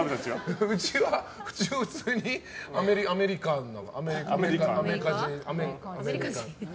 うちは、普通にアメリカ人な。